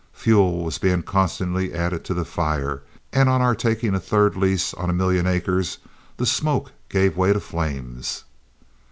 Fuel was being constantly added to the fire, and on our taking a third lease on a million acres, the smoke gave way to flames.